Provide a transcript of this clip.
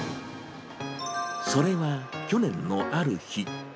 それは去年のある日。